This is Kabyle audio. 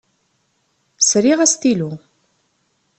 Sriɣ astilu.